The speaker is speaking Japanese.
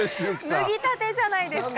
脱ぎたてじゃないですか。